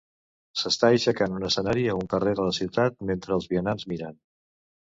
S'està aixecant un escenari a un carrer de la ciutat mentre els vianants miren.